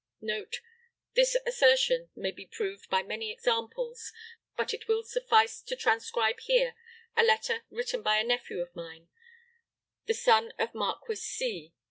[Note: This assertion might be proved by many examples; but it will suffice to transcribe here a letter written by a nephew of mine, the son of Marquis C